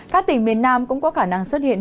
các tỉnh miền nam cũng có khả năng xuất hiện